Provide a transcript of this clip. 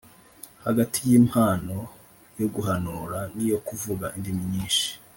Hagati y’impano yo guhanura n’iyo kuvuga indimi nyinshi